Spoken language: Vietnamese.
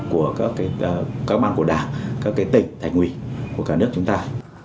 có các ban của đảng các tỉnh thành quỷ của cả nước chúng ta